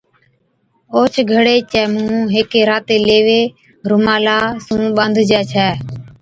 اوھچ گھڙي چَي مُونھ ھيڪي راتي ليوي (رُومالا) سُون ٻانڌجَي ڇَي